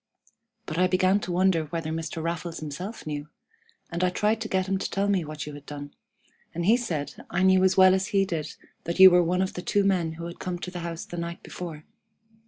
But I began to wonder whether Mr. Raffles himself knew, and I tried to get him to tell me what you had done, and he said I knew as well as he did that you were one of the two men who had come to the house the night before.